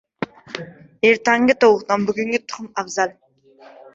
• Ertangi tovuqdan bugungi tuxum afzal.